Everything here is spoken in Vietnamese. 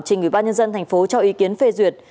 trên người ba nhân dân thành phố cho ý kiến phê duyệt